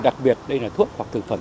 đặc biệt đây là thuốc hoặc thực phẩm